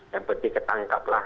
yang penting ketangkaplah